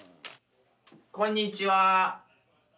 こんにちは。